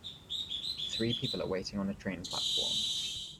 Three people are waiting on a train platform.